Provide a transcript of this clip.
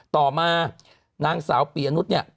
ต่อมานางสาวปียะนุษย์เนี่ย